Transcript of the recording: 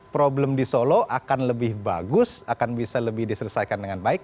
problem di solo akan lebih bagus akan bisa lebih diselesaikan dengan baik